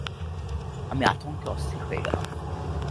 আমি আতঙ্কে অস্থির হয়ে গেলাম।